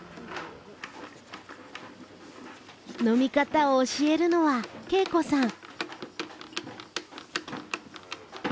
飲み方を教えるのは恵子さん。